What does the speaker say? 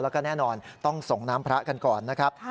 แล้วก็แน่นอนต้องส่งน้ำพระกันก่อนนะครับ